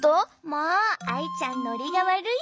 もうアイちゃんノリがわるいぞ。